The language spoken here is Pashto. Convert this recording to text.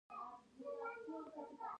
بانکي کارتونه په هر ځای کې چلیږي.